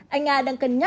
anh a đang cân nhắc